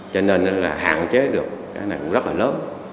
cũng đã kết nối được cái này cũng rất là lớn